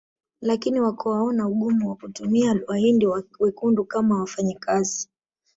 Lakini wakaona ugumu wa kutumia Wahindi wekundu kama wafanyakazi